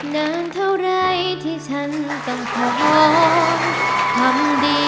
นานเท่าไหร่ที่ฉันกันพร้อมทำดีกว่าความเชื่อชา